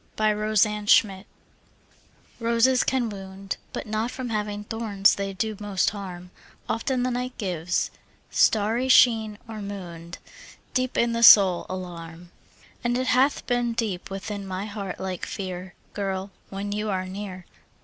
Y Z Roses Can Wound ROSES can wound, But not from having thorns they do most harm; Often the night gives, starry sheen or moon'd, Deep in the soul alarm. And it hath been deep within my heart like fear, Girl, when you are near.